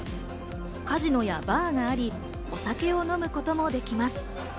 カジノやバーがあり、お酒を飲むこともできます。